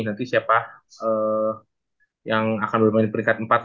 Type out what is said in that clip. nanti siapa yang akan bermain peringkat empat lima